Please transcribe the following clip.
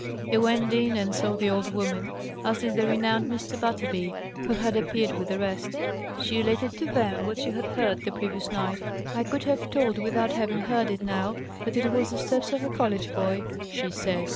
He went in and saw the old woman; as did the renowned Mr. Butterby, who had appeared with the rest. She related to them she had heard the previous night. "I could have told, without having heard it now, that it was the steps of a college boy," she said.